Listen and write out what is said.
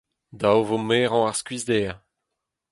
Dav 'vo merañ ar skuizhder !